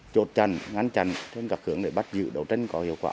chốt chằn ngăn chằn trên các hướng để bắt giữ đấu tranh có hiệu quả